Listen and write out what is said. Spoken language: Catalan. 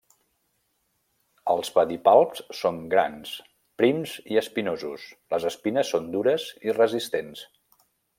Els pedipalps són grans, prims i espinosos, les espines són dures i resistents.